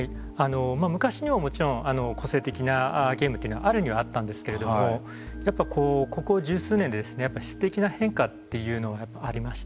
昔にももちろん個性的なゲームというというのはあるにはあったんですけれどもやっぱり、ここ十数年ですてきな変化というのがありまして。